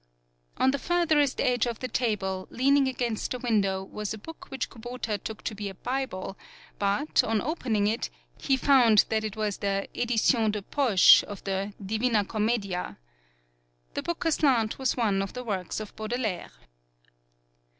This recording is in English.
On the furtherest edge of the table, leaning against the window, was a book which Kubota took to be the Bible, but, 48 HANAKO on opening it, he found that it was the edition de poche of the "Divinna Comedia." The book aslant was one of the works of Baudelaire.